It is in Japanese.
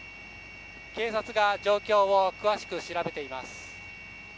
警察が状況を詳しく調べています。